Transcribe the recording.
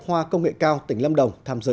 hoa công nghệ cao tỉnh lâm đồng tham dự